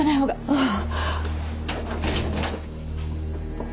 ああ。